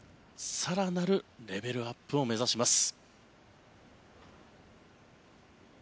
更なるレベルアップを目指します。